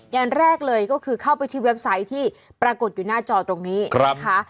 อย่างแรกเลยก็คือเข้าไปที่เว็บไซต์ที่ปรากฏอยู่หน้าจอตรงนี้นะคะ